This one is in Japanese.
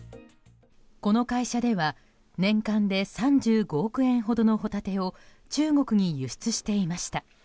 この会社では年間で３５億円ほどのホタテを中国に輸出していました。